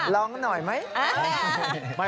ลองหน่อยไหม